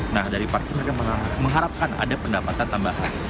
nah dari parkir mereka mengharapkan ada pendapatan tambahan